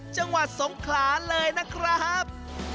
จังหวัดสงขลาเลยนะครับ